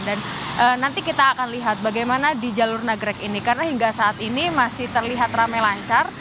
dan nanti kita akan lihat bagaimana di jalur nagrek ini karena hingga saat ini masih terlihat ramai lancar